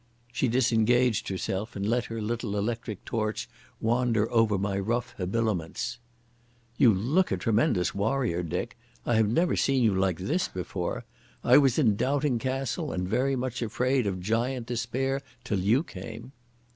She disengaged herself and let her little electric torch wander over my rough habiliments. "You look a tremendous warrior, Dick. I have never seen you like this before. I was in Doubting Castle and very much afraid of Giant Despair, till you came."